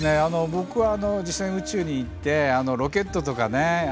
僕は実際に宇宙に行ってロケットとかね